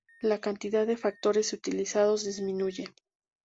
La cantidad de factores utilizados disminuye.